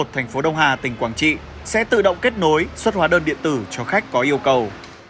thành phố đông hà tỉnh quảng trị sẽ tự động kết nối xuất hóa đơn điện tử cho khách có yêu cầu